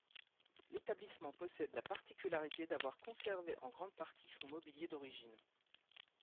L’établissement possède la particularité d’avoir conservé en grande partie son mobilier d’origine.